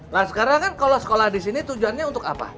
nah sekarang kan kalau sekolah disini tujuannya untuk apa